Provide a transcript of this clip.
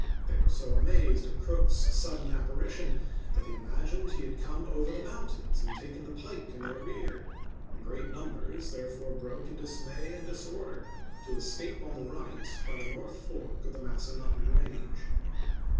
They were so amazed at Crook's sudden apparition that they imagined he had come over the mountains and taken the pike in their rear, and great numbers therefore broke in dismay P. W and disorder to escape on the right by the north fork of the Massanutten range.